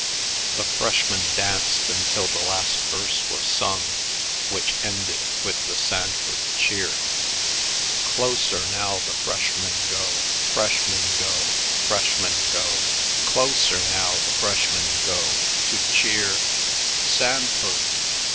The freshmen danced until the last verse was sung, which ended with the Sanford cheer: "Closer now the freshmen go, Freshmen go, Freshmen go; Closer now the freshmen go To cheer SANFORD!